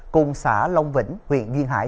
cùng xã long vĩnh huyện nguyên hải